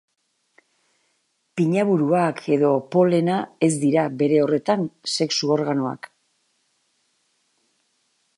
Pinaburuak edo polena ez dira, bere horretan, sexu-organoak.